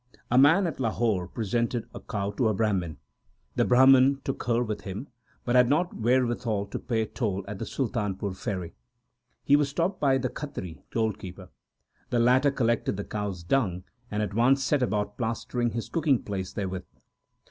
A man at Lahore presented a cow to a Brahman. The Brahman took her with him, but had not wherewithal to pay toll at the Sultanpur ferry. He was stopped by the Khatri toll keeper. The latter collected the cow s dung, and at once set about plastering his cooking place therewith.